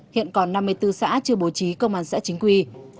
hiện còn năm mươi bốn xã chưa bố trí công an xã chính quy